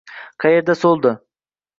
Qayerda soʻldi?